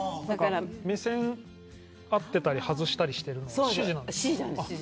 目線が合っていたり外したりするのもそうなんです。